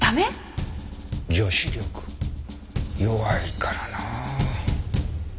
女子力弱いからなあ。